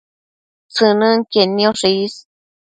tsënënquied nioshe is